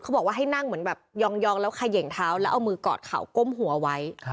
บอกว่าให้นั่งเหมือนแบบยองแล้วเขย่งเท้าแล้วเอามือกอดเข่าก้มหัวไว้